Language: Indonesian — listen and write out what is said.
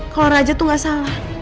kalau raja tuh gak salah